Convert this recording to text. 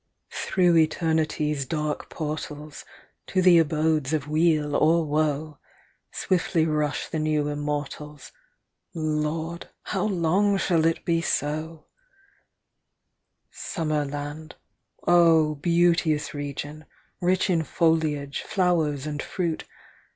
Through eternity's dark portals To the abodes of weal or woe, Swiftly rush the new immortals — Lord, how long shall it be so ) Summerland — Oh ! beauteous region, Rich in foliage, flowers, and fruit.